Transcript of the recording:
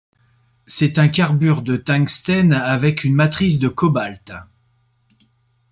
C’est un carbure de tungstène avec une matrice en cobalt.